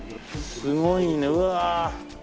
すごいねうわ。